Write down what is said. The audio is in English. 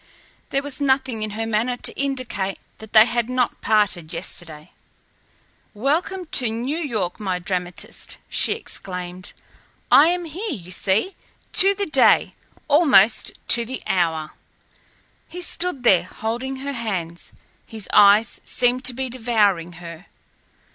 There was nothing in her manner to indicate that they had not parted yesterday. "Welcome to New York, my dramatist!" she exclaimed. "I am here, you see, to the day, almost to the hour." He stood there, holding her hands. His eyes seemed to be devouring her.